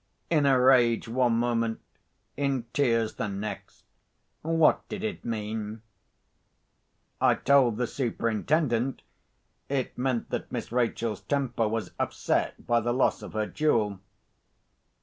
In a rage, one moment; in tears, the next! What did it mean? I told the Superintendent it meant that Miss Rachel's temper was upset by the loss of her jewel.